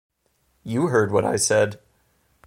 You heard what I said.